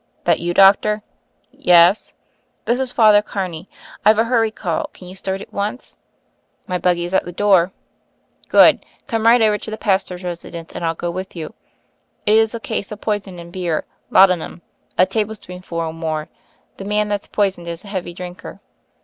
"That you, doctor?" "Yes." "This is Father Carney. I've a hurry call — can you start at once?" "My buggy is at the door." "Good. Come right over to the pastor's resi dence, and ril go with you. It is a case of poison in beer — laudanum — a tablespoonful or more. The man that's poisoned is a heavy drinker."